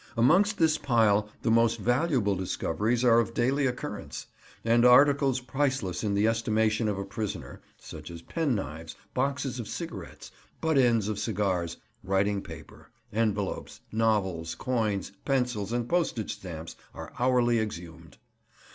Amongst this pile the most valuable discoveries are of daily occurrence; and articles priceless in the estimation of a prisoner, such as pen knives, boxes of cigarettes, butt ends of cigars, writing paper, envelopes, novels, coins, pencils, and postage stamps, are hourly exhumed.